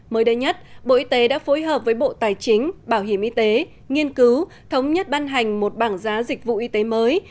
mới đây nhất bộ y tế đã phối hợp với bộ tài chính bảo hiểm y tế nghiên cứu thống nhất ban hành một bảng giá dịch vụ y tế mới